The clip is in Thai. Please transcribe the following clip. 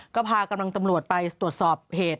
ก็พากำลังตำรวจไปตรวจสอบเหตุ